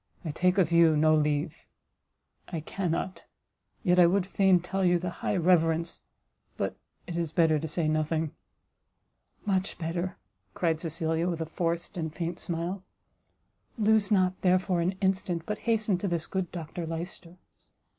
I take of you no leave I cannot! yet I would fain tell you the high reverence but it is better to say nothing " "Much better," cried Cecilia, with a forced and faint smile; "lose not, therefore, an instant, but hasten to this good Dr Lyster."